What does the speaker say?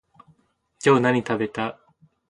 今日何食べた？